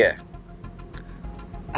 jadi supir dia